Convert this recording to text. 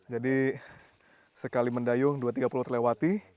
jadi sekali mendayung dua tiga puluh terlewati